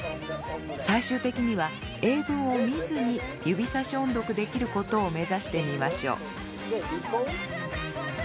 最終的には英文を見ずに指さし音読できることを目指してみましょう。